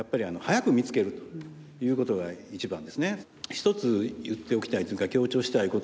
一つ言っておきたいというか強調したいことはですね